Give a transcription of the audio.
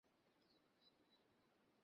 বিরিয়ানি অনেক খেয়েছিস।